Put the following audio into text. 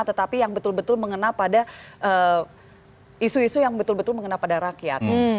tetapi yang betul betul mengena pada isu isu yang betul betul mengena pada rakyat